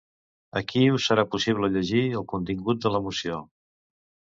Aquí us serà possible llegir el contingut de la moció.